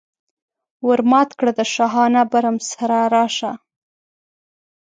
ور مات کړه د شاهانه برم سره راشه.